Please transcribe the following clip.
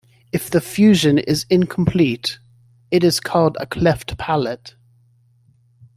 If the fusion is incomplete, it is called a cleft palate.